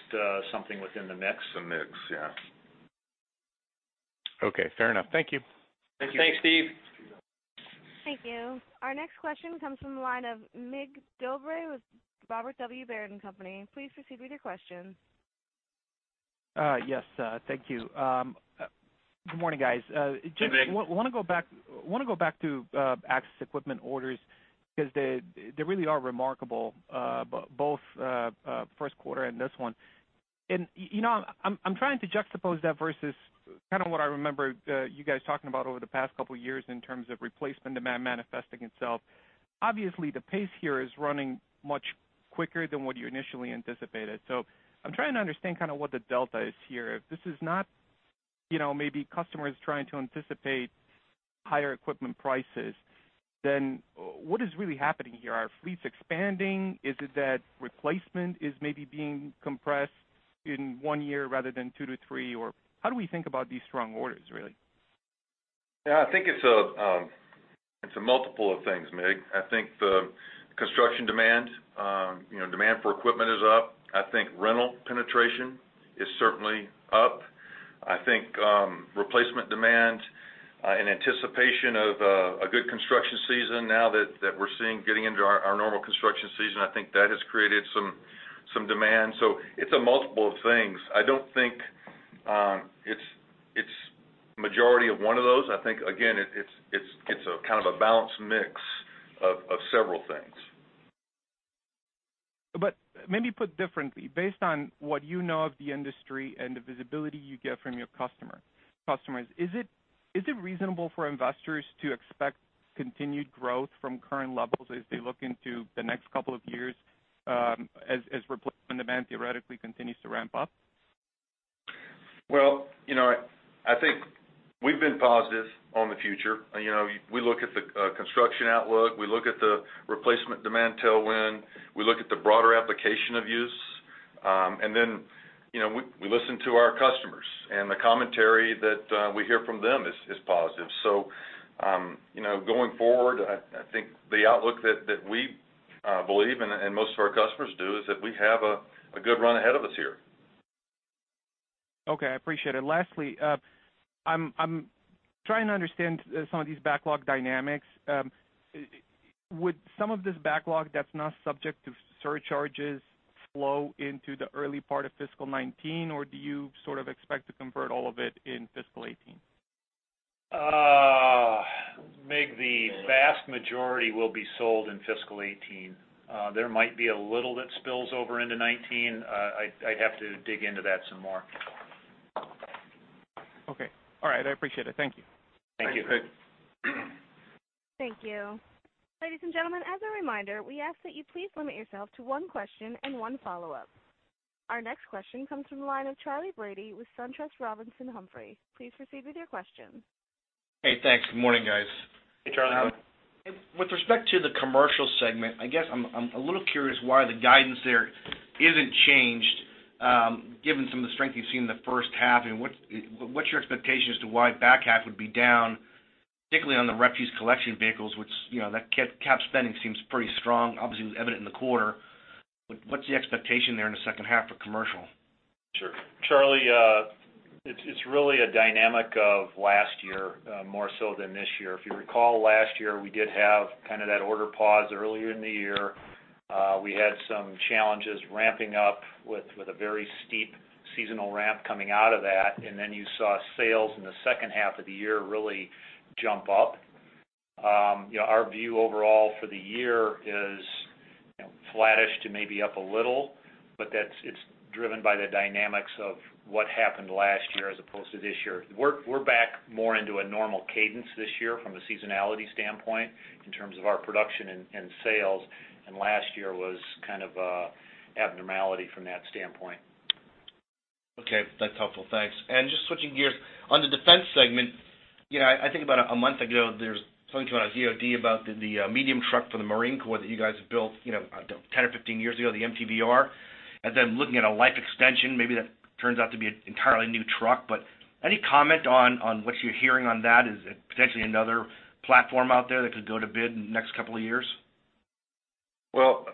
something within the mix. The mix, yeah. Okay. Fair enough. Thank you. Thank you. Thanks, Steve. Thank you. Our next question comes from the line of Mircea Dobre with Robert W. Baird & Company. Please proceed with your question. Yes. Thank you. Good morning, guys. Hey, Dave. Just want to go back to access equipment orders because they really are remarkable, both first quarter and this one. And I'm trying to juxtapose that versus kind of what I remember you guys talking about over the past couple of years in terms of replacement demand manifesting itself. Obviously, the pace here is running much quicker than what you initially anticipated. So I'm trying to understand kind of what the delta is here. If this is not maybe customers trying to anticipate higher equipment prices, then what is really happening here? Are fleets expanding? Is it that replacement is maybe being compressed in 1 year rather than 2-3? Or how do we think about these strong orders, really? Yeah. I think it's a multiple of things, Mircea. I think the construction demand, demand for equipment is up. I think rental penetration is certainly up. I think replacement demand in anticipation of a good construction season now that we're seeing getting into our normal construction season, I think that has created some demand. So it's a multiple of things. I don't think it's majority of one of those. I think, again, it's kind of a balanced mix of several things. But maybe put differently. Based on what you know of the industry and the visibility you get from your customers, is it reasonable for investors to expect continued growth from current levels as they look into the next couple of years as replacement demand theoretically continues to ramp up? Well, I think we've been positive on the future. We look at the construction outlook. We look at the replacement demand tailwind. We look at the broader application of use. And then we listen to our customers. And the commentary that we hear from them is positive. So going forward, I think the outlook that we believe and most of our customers do is that we have a good run ahead of us here. Okay. I appreciate it. Lastly, I'm trying to understand some of these backlog dynamics. Would some of this backlog that's not subject to surcharges flow into the early part of fiscal 2019, or do you sort of expect to convert all of it in fiscal 2018? Mick, the vast majority will be sold in fiscal 2018. There might be a little that spills over into 2019. I'd have to dig into that some more. Okay. All right. I appreciate it. Thank you. Thank you. Thank you. Thank you. Ladies and gentlemen, as a reminder, we ask that you please limit yourself to one question and one follow-up. Our next question comes from the line of Charley Brady with SunTrust Robinson Humphrey. Please proceed with your question. Hey, thanks. Good morning, guys. Hey, Charley. How are you? With respect to the commercial segment, I guess I'm a little curious why the guidance there isn't changed given some of the strength you've seen in the first half. And what's your expectation as to why back half would be down, particularly on the refuse collection vehicles, which CapEx spending seems pretty strong? Obviously, it was evident in the quarter. But what's the expectation there in the second half for commercial? Sure. Charley, it's really a dynamic of last year more so than this year. If you recall, last year, we did have kind of that order pause earlier in the year. We had some challenges ramping up with a very steep seasonal ramp coming out of that. And then you saw sales in the second half of the year really jump up. Our view overall for the year is flattish to maybe up a little, but it's driven by the dynamics of what happened last year as opposed to this year. We're back more into a normal cadence this year from a seasonality standpoint in terms of our production and sales. Last year was kind of an abnormality from that standpoint. Okay. That's helpful. Thanks. Just switching gears, on the defense segment, I think about a month ago, there was something in an IDIQ about the medium truck for the Marine Corps that you guys built 10 or 15 years ago, the MTVR. Then looking at a life extension, maybe that turns out to be an entirely new truck. But any comment on what you're hearing on that? Is it potentially another platform out there that could go to bid in the next couple of years? Well,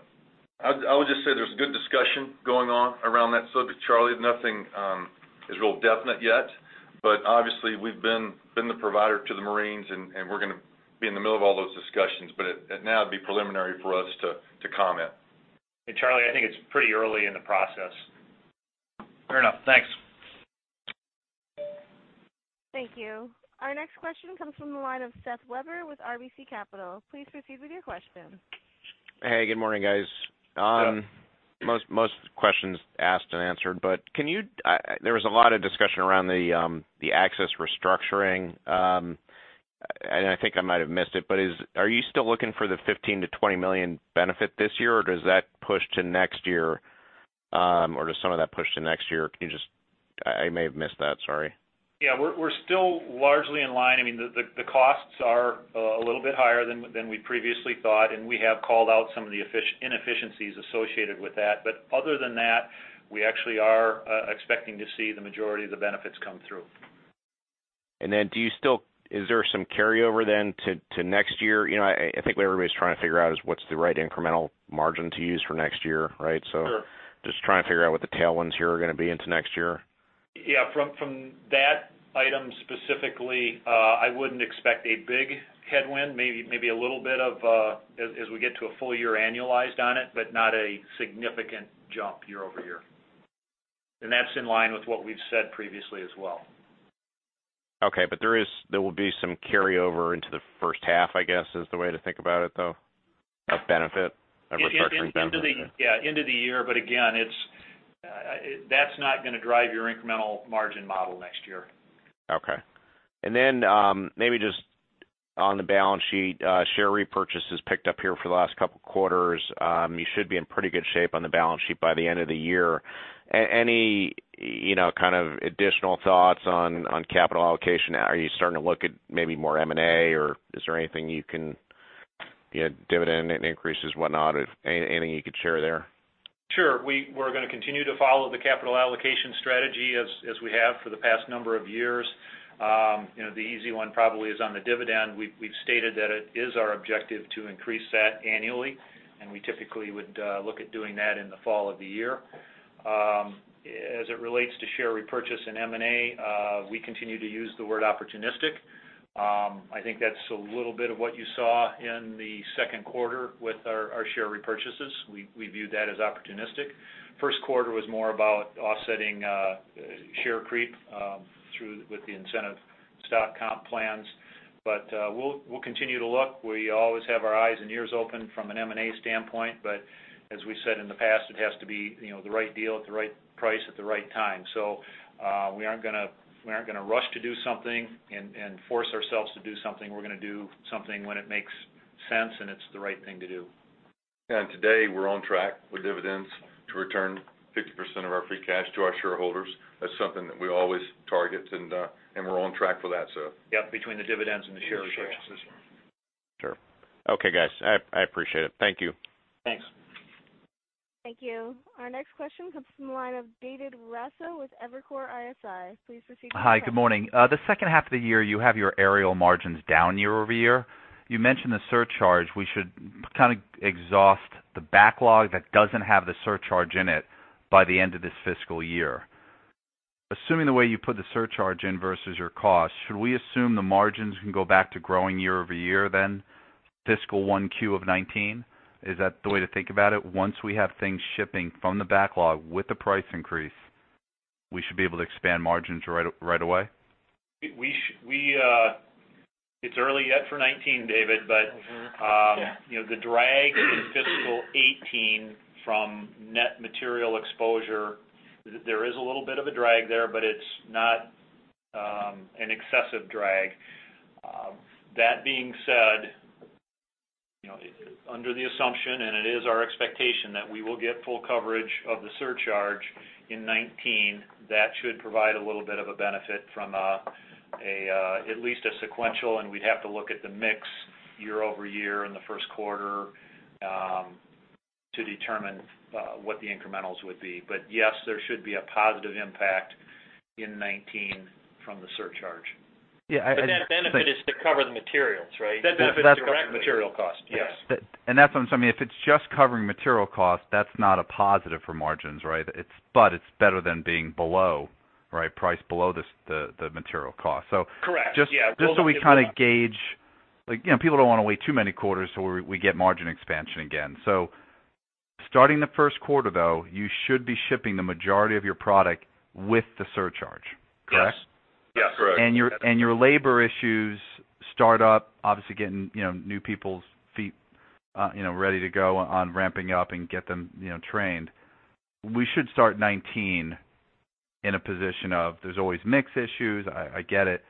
I would just say there's good discussion going on around that subject, Charley. Nothing is real definite yet. But obviously, we've been the provider to the Marines, and we're going to be in the middle of all those discussions. But now it'd be preliminary for us to comment. And Charlie, I think it's pretty early in the process. Fair enough. Thanks. Thank you. Our next question comes from the line of Seth Weber with RBC Capital. Please proceed with your question. Hey, good morning, guys. Most questions asked and answered. But there was a lot of discussion around the access restructuring. And I think I might have missed it. But are you still looking for the $15-20 million benefit this year, or does that push to next year, or does some of that push to next year? I may have missed that. Sorry. Yeah. We're still largely in line. I mean, the costs are a little bit higher than we previously thought. We have called out some of the inefficiencies associated with that. But other than that, we actually are expecting to see the majority of the benefits come through. And then do you still is there some carryover then to next year? I think what everybody's trying to figure out is what's the right incremental margin to use for next year, right? So just trying to figure out what the tailwinds here are going to be into next year. Yeah. From that item specifically, I wouldn't expect a big headwind. Maybe a little bit of as we get to a full year annualized on it, but not a significant jump year over year. And that's in line with what we've said previously as well. Okay. But there will be some carryover into the first half, I guess, is the way to think about it though. Of benefit, of restructuring benefit. Yeah. End of the year. But again, that's not going to drive your incremental margin model next year. Okay. And then maybe just on the balance sheet, share repurchase has picked up here for the last couple of quarters. You should be in pretty good shape on the balance sheet by the end of the year. Any kind of additional thoughts on capital allocation? Are you starting to look at maybe more M&A, or is there anything you can dividend increases, whatnot? Anything you could share there? Sure. We're going to continue to follow the capital allocation strategy as we have for the past number of years. The easy one probably is on the dividend. We've stated that it is our objective to increase that annually. We typically would look at doing that in the fall of the year. As it relates to share repurchase and M&A, we continue to use the word opportunistic. I think that's a little bit of what you saw in the second quarter with our share repurchases. We viewed that as opportunistic. First quarter was more about offsetting share creep with the incentive stock comp plans. We'll continue to look. We always have our eyes and ears open from an M&A standpoint. As we said in the past, it has to be the right deal at the right price at the right time. We aren't going to rush to do something and force ourselves to do something. We're going to do something when it makes sense and it's the right thing to do. Today, we're on track with dividends to return 50% of our free cash to our shareholders. That's something that we always target. We're on track for that, so. Yep. Between the dividends and the share repurchases. Sure. Okay, guys. I appreciate it. Thank you. Thanks. Thank you. Our next question comes from the line of David Raso with Evercore ISI. Please proceed with your question. Hi. Good morning. The second half of the year, you have your aerial margins down year-over-year. You mentioned the surcharge. We should kind of exhaust the backlog that doesn't have the surcharge in it by the end of this fiscal year. Assuming the way you put the surcharge in versus your cost, should we assume the margins can go back to growing year-over-year then, fiscal 1Q of 2019? Is that the way to think about it? Once we have things shipping from the backlog with the price increase, we should be able to expand margins right away? It's early yet for 2019, David, but the drag in fiscal 2018 from net material exposure, there is a little bit of a drag there, but it's not an excessive drag. That being said, under the assumption, and it is our expectation that we will get full coverage of the surcharge in 2019, that should provide a little bit of a benefit from at least a sequential. And we'd have to look at the mix year-over-year in the first quarter to determine what the incrementals would be. But yes, there should be a positive impact in 2019 from the surcharge. Yeah. And that benefit is to cover the materials, right? That benefit is correct. That benefit is to cover the material cost, yes. That's what I'm saying. If it's just covering material cost, that's not a positive for margins, right? But it's better than being below, right, price below the material cost. So just so we kind of gauge people don't want to wait too many quarters so we get margin expansion again. So starting the first quarter though, you should be shipping the majority of your product with the surcharge, correct? Yes. Correct. And your labor issues start up, obviously getting new people's feet ready to go on ramping up and get them trained. We should start 2019 in a position of there's always mix issues. I get it.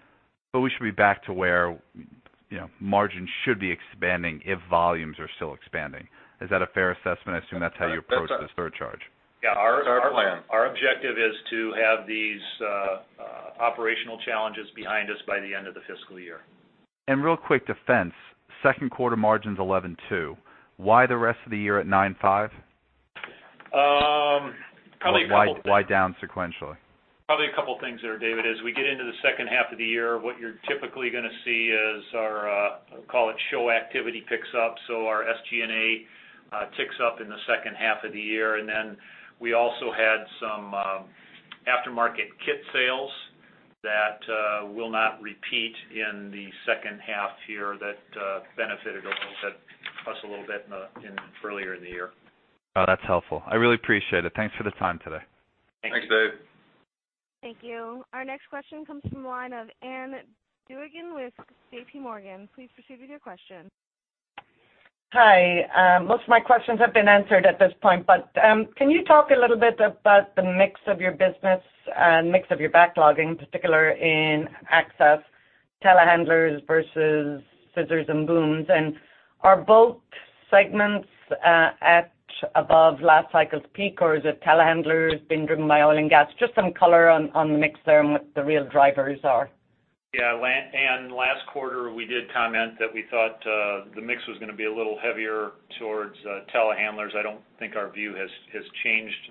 But we should be back to where margins should be expanding if volumes are still expanding. Is that a fair assessment? I assume that's how you approach the surcharge. Yeah. Our plan. Our objective is to have these operational challenges behind us by the end of the fiscal year. And real quick defense, second quarter margins 11.2%. Why the rest of the year at 9.5%? Probably a couple of things. Why down sequentially? Probably a couple of things there, David. As we get into the second half of the year, what you're typically going to see is our call it show activity picks up. So our SG&A ticks up in the second half of the year. And then we also had some aftermarket kit sales that will not repeat in the second half year that benefited us a little bit earlier in the year. Oh, that's helpful. I really appreciate it. Thanks for the time today. Thanks, Dave. Thank you. Our next question comes from the line of Ann Duignan with JPMorgan. Please proceed with your question. Hi. Most of my questions have been answered at this point. But can you talk a little bit about the mix of your business and mix of your backlog, in particular in access, telehandlers versus scissors and booms? And are both segments at above last cycle's peak, or is it telehandlers being driven by oil and gas? Just some color on the mix there and what the real drivers are. Yeah. Last quarter, we did comment that we thought the mix was going to be a little heavier towards telehandlers. I don't think our view has changed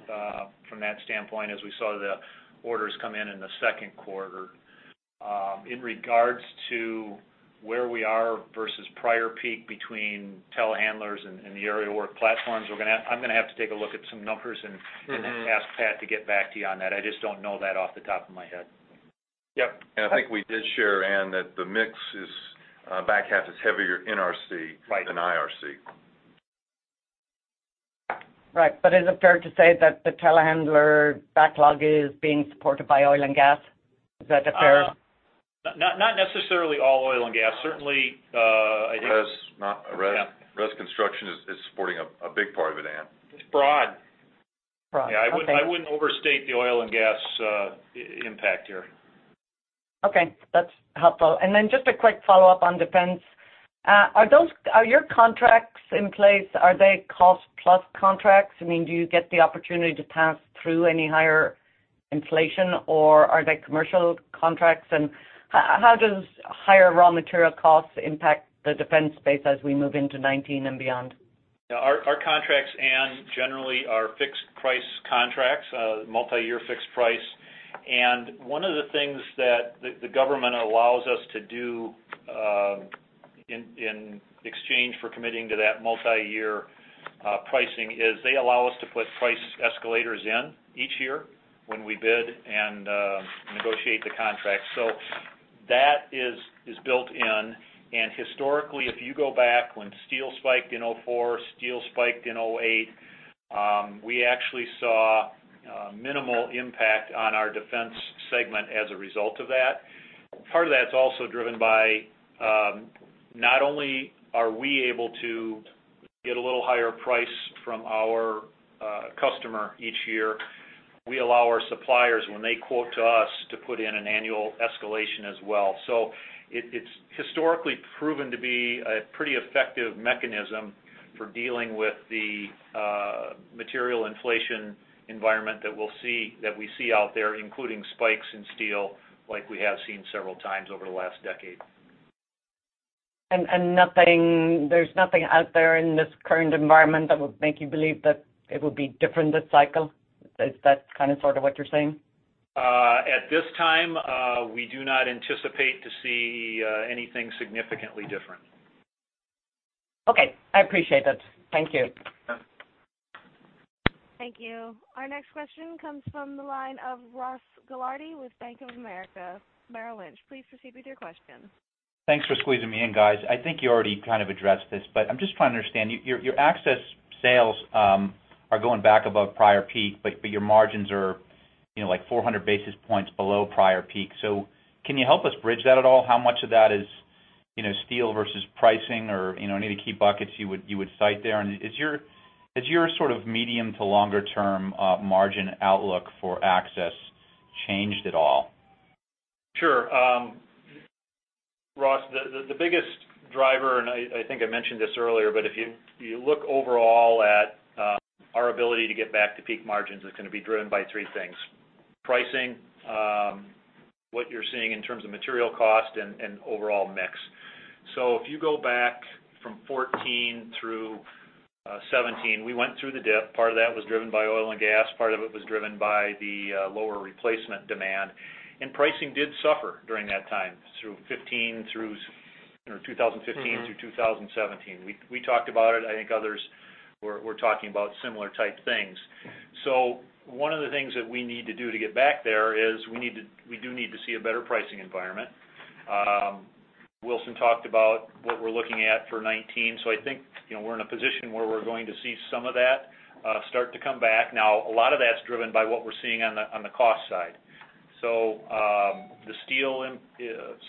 from that standpoint as we saw the orders come in in the second quarter. In regards to where we are versus prior peak between telehandlers and the aerial work platforms, I'm going to have to take a look at some numbers and ask Pat to get back to you on that. I just don't know that off the top of my head. Yep. And I think we did share, Ann, that the mix is back half is heavier NRC than IRC. Right. But is it fair to say that the telehandler backlog is being supported by oil and gas? Is that a fair? Not necessarily all oil and gas. Certainly, I think. Rest construction is supporting a big part of it, Ann. It's broad. Yeah. I wouldn't overstate the oil and gas impact here. Okay. That's helpful. And then just a quick follow-up on defense. Are your contracts in place, are they cost-plus contracts? I mean, do you get the opportunity to pass through any higher inflation, or are they commercial contracts? And how does higher raw material costs impact the defense space as we move into 2019 and beyond? Yeah. Our contracts, Ann, generally are fixed price contracts, multi-year fixed price. And one of the things that the government allows us to do in exchange for committing to that multi-year pricing is they allow us to put price escalators in each year when we bid and negotiate the contract. So that is built in. And historically, if you go back when steel spiked in 2004, steel spiked in 2008, we actually saw minimal impact on our defense segment as a result of that. Part of that's also driven by not only are we able to get a little higher price from our customer each year, we allow our suppliers, when they quote to us, to put in an annual escalation as well. So it's historically proven to be a pretty effective mechanism for dealing with the material inflation environment that we see out there, including spikes in steel like we have seen several times over the last decade. There's nothing out there in this current environment that would make you believe that it would be different this cycle? Is that kind of sort of what you're saying? At this time, we do not anticipate to see anything significantly different. Okay. I appreciate it. Thank you. Thank you. Our next question comes from the line of Ross Gilardi with Bank of America Merrill Lynch. Please proceed with your question. Thanks for squeezing me in, guys. I think you already kind of addressed this, but I'm just trying to understand. Your access sales are going back above prior peak, but your margins are like 400 basis points below prior peak. So can you help us bridge that at all? How much of that is steel versus pricing or any of the key buckets you would cite there? And has your sort of medium to longer-term margin outlook for access changed at all? Sure. Ross, the biggest driver, and I think I mentioned this earlier, but if you look overall at our ability to get back to peak margins, it's going to be driven by three things: pricing, what you're seeing in terms of material cost, and overall mix. So if you go back from 2014 through 2017, we went through the dip. Part of that was driven by oil and gas. Part of it was driven by the lower replacement demand. And pricing did suffer during that time through 2015 through 2015 through 2017. We talked about it. I think others were talking about similar type things. One of the things that we need to do to get back there is we do need to see a better pricing environment. Wilson talked about what we're looking at for 2019. I think we're in a position where we're going to see some of that start to come back. Now, a lot of that's driven by what we're seeing on the cost side. The steel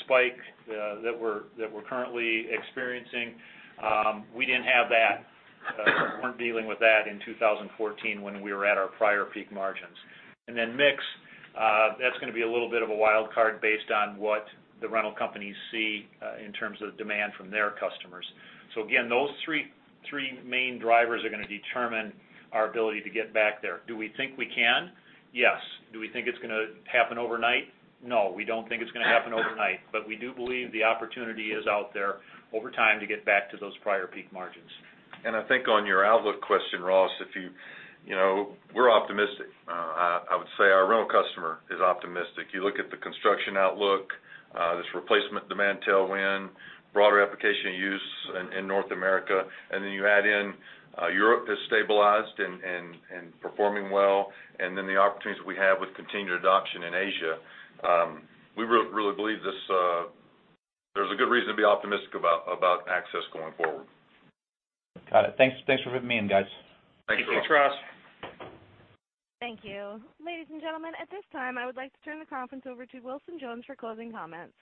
spike that we're currently experiencing, we didn't have that. We weren't dealing with that in 2014 when we were at our prior peak margins. And then mix, that's going to be a little bit of a wildcard based on what the rental companies see in terms of demand from their customers. Again, those three main drivers are going to determine our ability to get back there. Do we think we can? Yes. Do we think it's going to happen overnight? No, we don't think it's going to happen overnight. But we do believe the opportunity is out there over time to get back to those prior peak margins. And I think on your outlook question, Ross, if you—we're optimistic. I would say our rental customer is optimistic. You look at the construction outlook, this replacement demand tailwind, broader application use in North America, and then you add in Europe has stabilized and performing well, and then the opportunities that we have with continued adoption in Asia. We really believe there's a good reason to be optimistic about access going forward. Got it. Thanks for putting me in, guys. Thank you, Ross. Thank you. Ladies and gentlemen, at this time, I would like to turn the conference over to Wilson Jones for closing comments.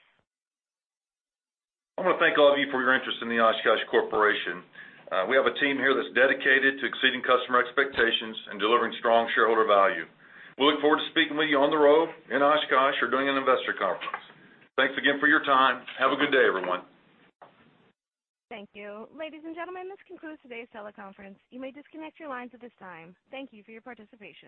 I want to thank all of you for your interest in the Oshkosh Corporation. We have a team here that's dedicated to exceeding customer expectations and delivering strong shareholder value. We look forward to speaking with you on the road in Oshkosh or during an investor conference. Thanks again for your time. Have a good day, everyone. Thank you. Ladies and gentlemen, this concludes today's teleconference. You may disconnect your lines at this time. Thank you for your participation.